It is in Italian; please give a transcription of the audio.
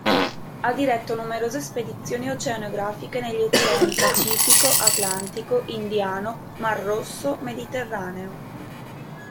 Ha diretto numerose spedizioni oceanografiche negli Oceani Pacifico, Atlantico, Indiano, Mar Rosso, Mediterraneo.